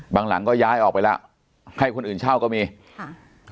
หลังก็ย้ายออกไปแล้วให้คนอื่นเช่าก็มีค่ะ